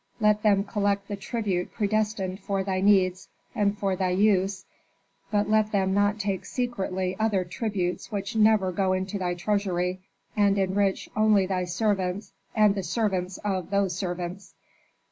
Let them collect the tribute predestined for thy needs and for thy use, but let them not take secretly other tributes which never go into thy treasury, and enrich only thy servants and the servants of those servants.